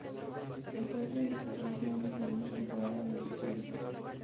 Se encuentra en desarrollo una segunda temporada de la serie.